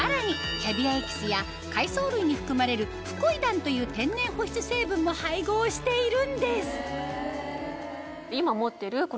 キャビアエキスや海藻類に含まれるフコイダンという天然保湿成分も配合しているんです